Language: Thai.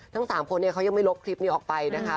ทั้ง๓คนเขายังไม่ลบคลิปนี้ออกไปนะคะ